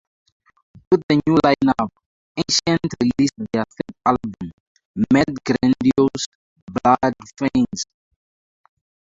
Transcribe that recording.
With the new lineup, Ancient released their third album, "Mad Grandiose Bloodfiends".